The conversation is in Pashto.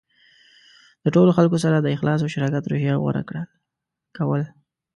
د ټولو خلکو سره د اخلاص او شراکت روحیه غوره کول.